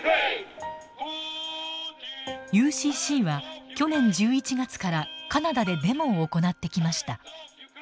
ＵＣＣは去年１１月からカナダでデモを行ってきました。